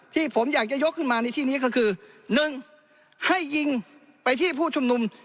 ที่ผมอยากจะยกขึ้นมาในที่นี้ก็คือ๑ให้ยิงไปที่ผู้ชุมนุม